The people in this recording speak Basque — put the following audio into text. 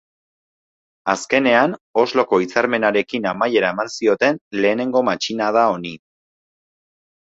Azkenean, Osloko hitzarmenarekin amaiera eman zioten lehenengo matxinada honi.